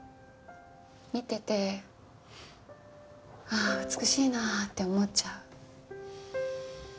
見ててああ美しいなあって思っちゃう。